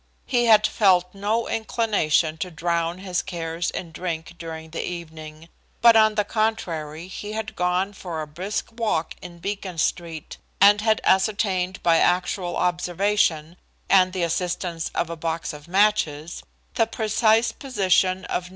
He had felt no inclination to drown his cares in drink during the evening, but on the contrary he had gone for a brisk walk in Beacon Street, and had ascertained by actual observation, and the assistance of a box of matches, the precise position of No.